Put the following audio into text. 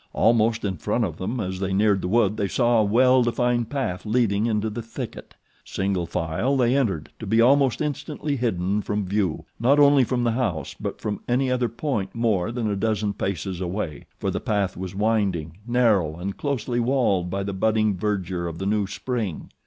Almost in front of them as they neared the wood they saw a well defined path leading into the thicket. Single file they entered, to be almost instantly hidden from view, not only from the house but from any other point more than a dozen paces away, for the path was winding, narrow and closely walled by the budding verdure of the new Spring.